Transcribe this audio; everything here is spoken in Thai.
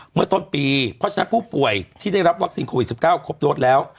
เมื่อต้นปีเพราะฉะนั้นผู้ป่วยที่ได้รับวัคซีนโควิด๑๙ครบโดสแล้ว